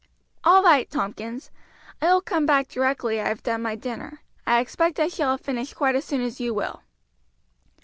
"All right, Tompkins; I will come back directly I have done my dinner. I expect I shall have finished quite as soon as you will."